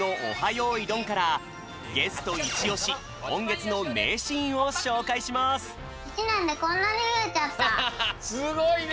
よいどん」からゲストいちおしこんげつのめいシーンをしょうかいしますすごいね！